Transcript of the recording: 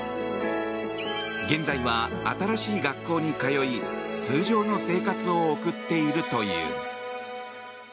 現在は新しい学校に通い通常の生活を送っているという。